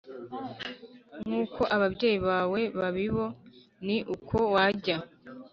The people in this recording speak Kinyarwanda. nk uko ababyeyi bawe babibo Ni uko wajya